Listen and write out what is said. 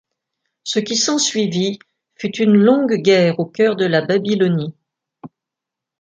Ce qui s'ensuivit fut une longue guerre au cœur de la Babylonie.